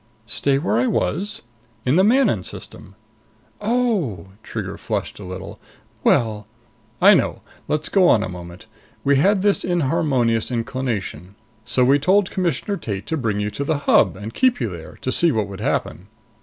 "Stay where I was?" "In the Manon System." "Oh!" Trigger flushed a little. "Well " "I know. Let's go on a moment. We had this inharmonious inclination. So we told Commissioner Tate to bring you to the Hub and keep you there, to see what would happen.